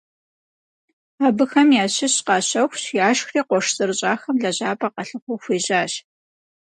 Абыхэм ящыщ къащэхущ, яшхри къуэш зэрыщӏахэм лэжьапӏэ къалъыхъуэу хуежьащ.